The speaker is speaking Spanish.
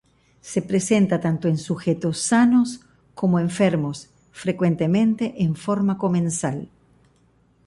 Se presenta tanto en sujetos sanos como en enfermos, frecuentemente en forma comensal.